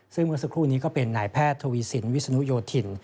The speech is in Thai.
ซึ่งเมื่อสักครู่นี้ก็เป็นนายแพทย์ทวีสินวิศนุโยธิน